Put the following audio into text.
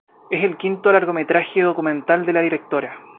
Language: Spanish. Es el quinto largometraje documental de la directora.